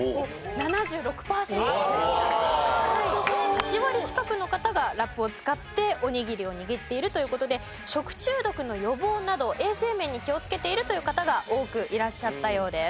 ８割近くの方がラップを使っておにぎりを握っているという事で食中毒の予防など衛生面に気をつけているという方が多くいらっしゃったようです。